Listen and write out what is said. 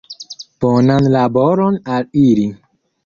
Bonan laboron al ili!